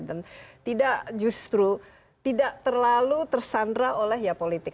dan tidak justru tidak terlalu tersandra oleh ya politik